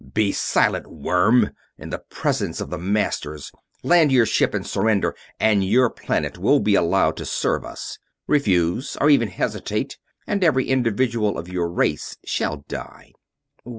"Be silent, worm, in the presence of the Masters. Land your ship and surrender, and your planet will be allowed to serve us. Refuse, or even hesitate, and every individual of your race shall die."